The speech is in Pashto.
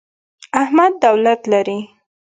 احمد دولت لري.